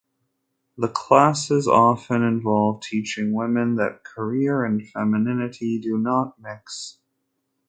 The classes often involve teaching women that career and femininity do not mix.